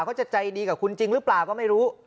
เขาจะใจดีกับคุณจริงหรือเปล่าก็ไม่รู้